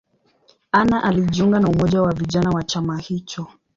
Anna alijiunga na umoja wa vijana wa chama hicho.